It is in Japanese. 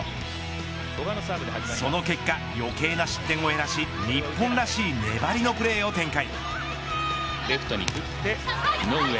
その結果、余計な失点を減らし日本らしい粘りのプレーを展開。